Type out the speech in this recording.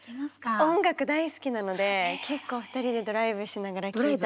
音楽大好きなので結構２人でドライブしながら聴いたり。